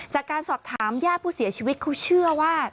จากการสอบถามญาติผู้เสียชีวิตเขาเชื่อว่า